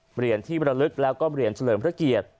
เหรียญที่บรรลึกแล้วก็เหรียญเฉลิมพระเกียรติ